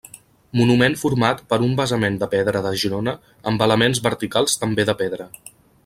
Monument format per un basament de pedra de Girona amb elements verticals també de pedra.